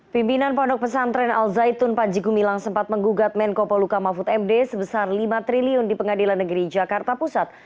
pimpinan pondok pesantren al zaitun panji gumilang sempat menggugat menko poluka mahfud md sebesar lima triliun di pengadilan negeri jakarta pusat